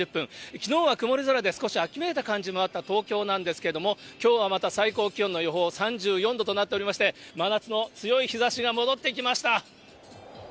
きのうは曇り空で、少し秋めいた感じもあった東京なんですけれども、きょうはまた最高気温の予報、３４度となっておりまして、真夏の強い日ざしが戻ってきました。